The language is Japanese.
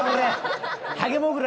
ハゲもぐら？